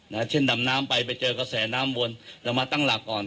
เช่นดำน้ำไปไปเจอกระแสน้ำวนเรามาตั้งหลักก่อน